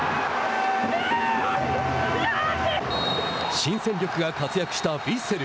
新戦力が活躍したヴィッセル。